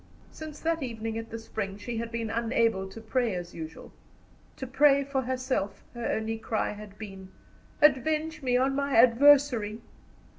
Since that evening at the spring she had been unable to pray as usual, to pray for herself her only cry had been: "Avenge me on my adversary!"